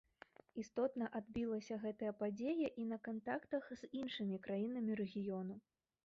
Істотна адбілася гэтая падзея і на кантактах з іншымі краінамі рэгіёну.